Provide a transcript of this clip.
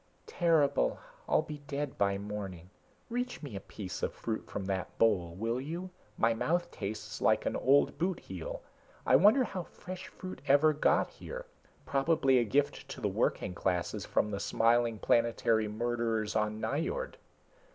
"Terrible. I'll be dead by morning. Reach me a piece of fruit from that bowl, will you? My mouth tastes like an old boot heel. I wonder how fresh fruit ever got here. Probably a gift to the working classes from the smiling planetary murderers on Nyjord."